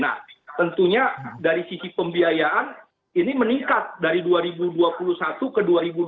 nah tentunya dari sisi pembiayaan ini meningkat dari dua ribu dua puluh satu ke dua ribu dua puluh